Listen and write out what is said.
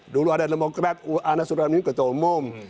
dulu ada demokrat anasudrami ketua umum